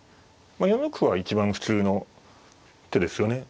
４六歩は一番普通の手ですよね。